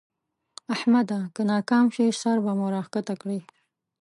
احمده! که ناکام شوې؛ سر به مو راکښته کړې.